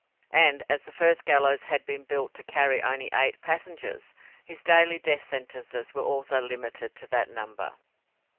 And as the first gallows had been built to carry only eight passengers, his daily death sentences were also limited to that number.